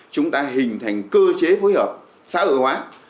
chúng ta hình thành cơ chế phối hợp xã hội hóa